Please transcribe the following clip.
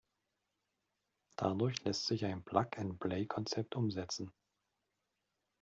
Dadurch lässt sich ein Plug-and-Play-Konzept umsetzen.